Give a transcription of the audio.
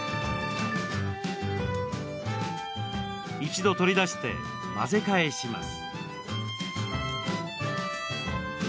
一度取り出して、混ぜ返します。